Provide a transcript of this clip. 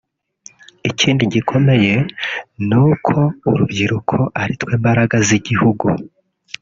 ikindi gikomeye ni uko urubyiruko ari twe mbaragaza z’igihugu